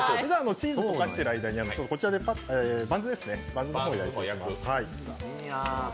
チーズ溶かしている間にバンズの方焼いていきます。